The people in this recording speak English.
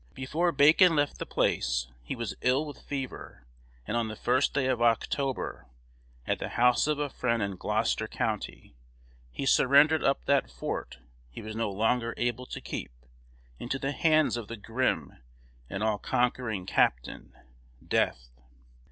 Before Bacon left the place he was ill with fever, and on the first day of October, at the house of a friend in Gloucester County, he "surrendered up that fort he was no longer able to keep, into the hands of the grim and all conquering Captain, Death."